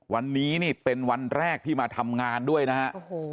วันนี้นี่เป็นวันแรกที่มาทำงานด้วยนะฮะ